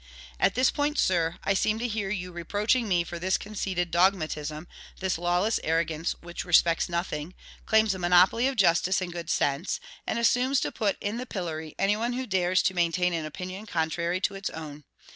At this point, sir, I seem to hear you reproaching me for this conceited dogmatism, this lawless arrogance, which respects nothing, claims a monopoly of justice and good sense, and assumes to put in the pillory any one who dares to maintain an opinion contrary to its own.